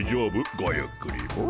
ごゆっくりモ。